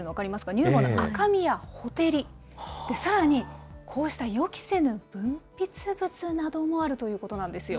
乳房の赤みやほてり、さらに、こうした予期せぬ分泌物などもあるということなんですよ。